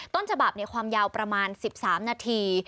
ต้นฉบับความยาวประมาณ๑๓นาที